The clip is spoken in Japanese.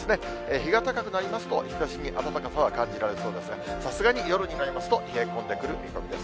日が高くなりますと、日ざしに暖かさは感じられそうですが、さすがに夜になりますと、冷え込んでくる見込みです。